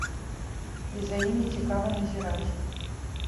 І за імі цікава назіраць.